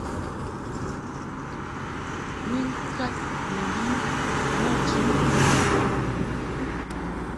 Ni ŋkad ni yi maji ŋgɔŋ.